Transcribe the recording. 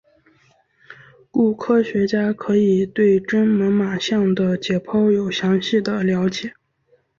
故科学家可以对真猛玛象的解剖有详细的了解。